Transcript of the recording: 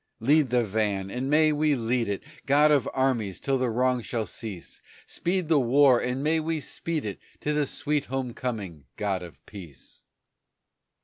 Lead the van, and may we lead it, God of armies, till the wrong shall cease; Speed the war, and may we speed it To the sweet home coming, God of peace!